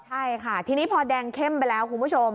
ใช่ค่ะทีนี้พอแดงเข้มไปแล้วคุณผู้ชม